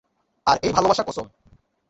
আর এই ভালোবাসা কসম।